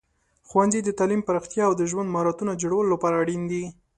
ښوونځي د تعلیم پراختیا او د ژوند مهارتونو د جوړولو لپاره اړین دي.